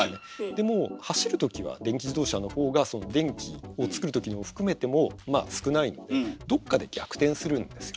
でもう走るときは電気自動車の方がその電気を作るときのを含めてもまあ少ないのでどっかで逆転するんですよ。